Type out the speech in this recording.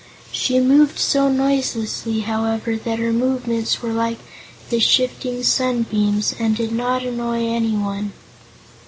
She moved so noiselessly, however, that her movements were like the shifting of sunbeams and did not annoy anyone.